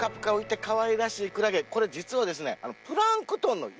これ実はですね。